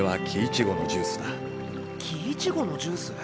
キイチゴのジュース？